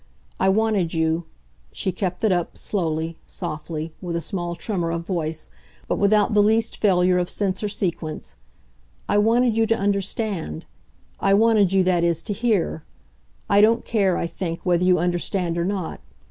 I wanted you" she kept it up, slowly, softly, with a small tremor of voice, but without the least failure of sense or sequence "I wanted you to understand. I wanted you, that is, to hear. I don't care, I think, whether you understand or not.